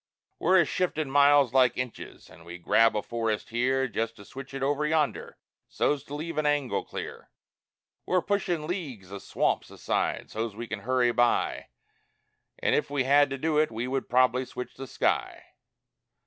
We're a shiftin' miles like inches, and we grab a forest here Just to switch it over yonder so's to leave an angle clear; We're a pushin' leagues o' swamps aside so's we can hurry by An' if we had to do it we would probably switch the sky!